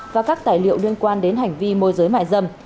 và các tài liệu liên quan đến hành vi môi giới mại dâm